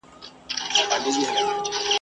د آدم خان د ربابي اوښکو مزل نه یمه !.